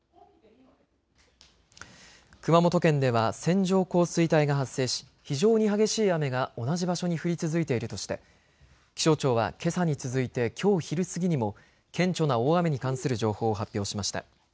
熊本県では線状降水帯が発生し非常に激しい雨が同じ場所に降り続いているとして気象庁はけさに続いてきょう昼過ぎにも顕著な大雨に関する情報を発表しました。